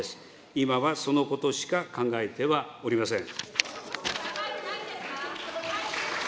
今はそのことしか考えてはおりません。